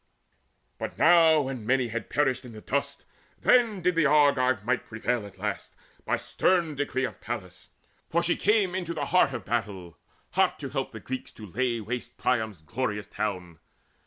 But now when many had perished in the dust, Then did the Argive might prevail at last By stern decree of Pallas; for she came Into the heart of battle, hot to help The Greeks to lay waste Priam's glorious town.